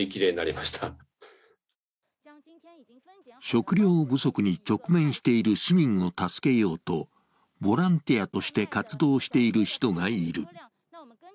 食料不足に直面している市民を助けようとボランティアとして活動している人がいる。